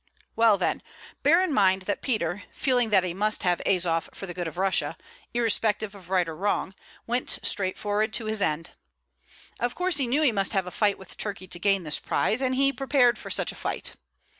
Well, then, bear in mind that Peter, feeling that he must have Azof for the good of Russia, irrespective of right or wrong, went straight forward to his end. Of course he knew he must have a fight with Turkey to gain this prize, and he prepared for such a fight.